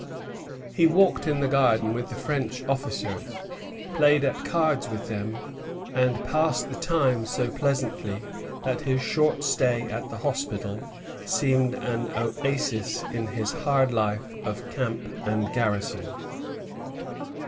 He walked in the garden with the French officers, played at cards with them, and passed the time so pleasantly that his short stay at the hospital seemed an oasis in his hard life of camp and garrison.